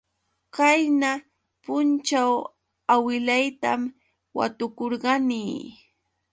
Qayna punćhaw awilaytam watukurqani.